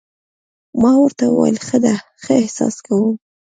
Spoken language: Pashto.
ما ورته وویل: ښه ده، ښه احساس کوم.